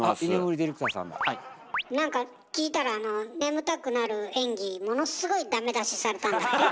なんか聞いたらあの眠たくなる演技ものっすごいダメ出しされたんだって？